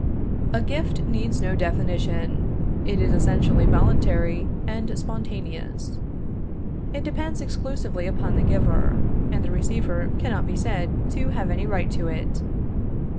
A gift, needs no definition. It is essentially voluntary and spontaneous. It depends exclusively upon the giver, and the receiver cannot be said to have any right to it.